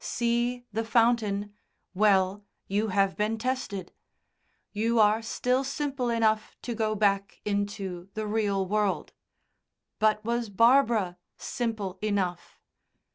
See the fountain well, you have been tested; you are still simple enough to go back into the real world. But was Barbara simple enough?